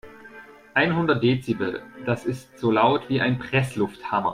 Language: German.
Einhundert Dezibel, das ist so laut wie ein Presslufthammer.